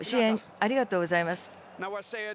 ありがとうございます。